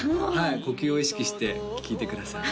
呼吸を意識して聴いてください